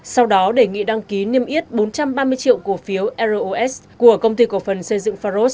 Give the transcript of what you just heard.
sau đó đề nghị đăng ký niêm yết bốn trăm ba mươi triệu cổ phiếu ros của công ty cổ phần xây dựng pharos